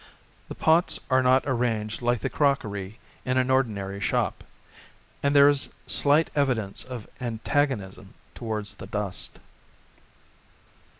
The pots are not arranged like the crockery in an ordinary shop, and there is slight evidence of antagonism towards dust.